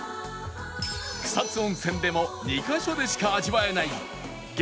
草津温泉でも２カ所でしか味わえない激